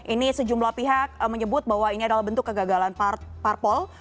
ini sejumlah pihak menyebut bahwa ini adalah bentuk kegagalan parpol